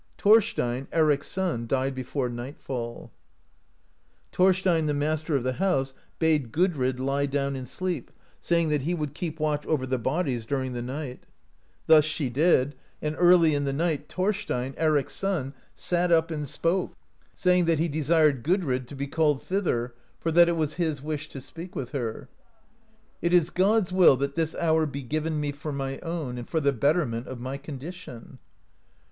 Thorstein, Eric's son, died be fore night fall. Thorstein, the master of the house, bade Gudrid lie down and sleep, saying that he would keep watch over the bodies during the night ; thus she did, and 45 AMERICA DISCOVERED BY NORSEMEN early in the night Thorstein, Eric's son, sat up and spoke, saying that he desired Gudrid to be called thither, for that it was his wish to speak with her : "It is God's will that this hour be given me for my own and for the betterment of my condition."